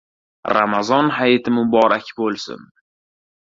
Ramazon hayiti muborak bo‘lsin!